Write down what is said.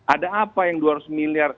ada apa yang dua ratus miliar